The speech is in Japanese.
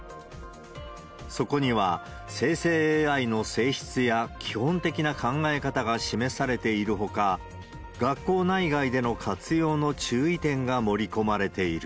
そこには、生成ＡＩの性質や基本的な考え方が示されているほか、学校内外での活用の注意点が盛り込まれている。